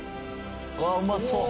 うわうまそう！